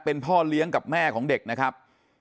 เป็นพ่อเลี้ยงกับแม่ของเด็กนะครับ